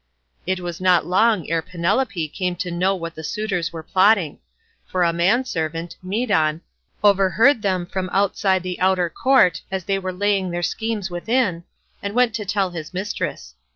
It was not long ere Penelope came to know what the suitors were plotting; for a man servant, Medon, overheard them from outside the outer court as they were laying their schemes within, and went to tell his mistress.